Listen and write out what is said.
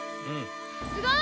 すごい。